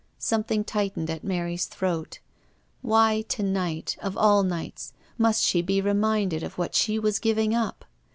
Something tightened at Mary's throat. Why, to night of all nights, must she be reminded of what she was giving up